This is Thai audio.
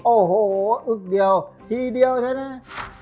โอ้โหอึกเดียวทีเดียวใช่ไหม